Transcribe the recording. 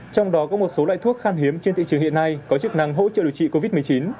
trong đó có một số loại thuốc khan hiếm trên thị trường hiện nay có chức năng hỗ trợ điều trị covid một mươi chín